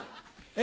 え